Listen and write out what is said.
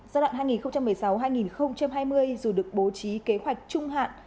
giai đoạn hai nghìn một mươi sáu hai nghìn hai mươi dù được bố trí kế hoạch trung hạn